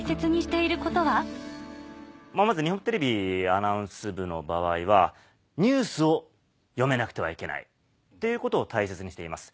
まず日本テレビアナウンス部の場合はニュースを読めなくてはいけないということを大切にしています。